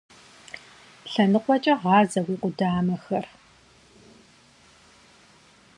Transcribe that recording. Лъэныкъуэкӏэ гъазэ уи къудамэхэр!